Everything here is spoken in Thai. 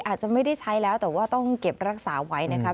อาจจะไม่ได้ใช้แล้วแต่ว่าต้องเก็บรักษาไว้นะครับ